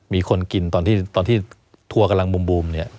มีคนกินตอนที่ทัวร์กำลังบูมเนี่ย